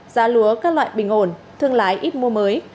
giá lúa các loại bình ổn thương lái ít mua mới